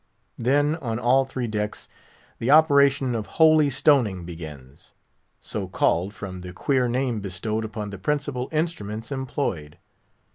Then on all three decks the operation of holy stoning begins, so called from the queer name bestowed upon the principal instruments employed.